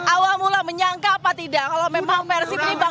awal mula menyangka apa tidak kalau memang persib nimbang